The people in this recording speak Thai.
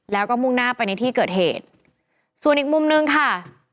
แล้วก็มุ่งหน้าไปในที่เกิดเหตุส่วนอีกมุมนึงค่ะ